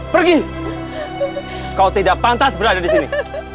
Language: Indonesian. pergi kau tidak pantas berada di sini